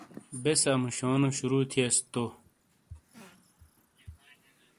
بے سے اموشونو شروع تھیس تو